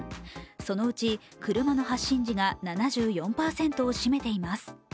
そのうち車の発進時が７４％を占めています。